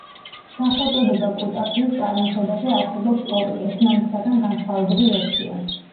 სახელწოდება კუტაფიის წარმოშობაზე არსებობს ორი, ერთმანეთისაგან განსხვავებული ვერსია.